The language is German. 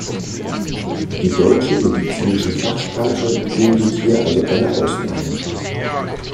Die deutsche medizinische Fachsprache bildet hier also eine Ausnahme.